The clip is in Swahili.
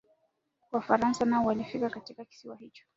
Wafaransa nao walifika katika kisiwa hicho